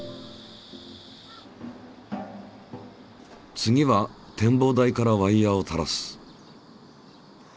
次は展望台からワイヤーを垂らす。